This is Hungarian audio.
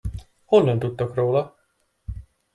Honnan tudtok róla?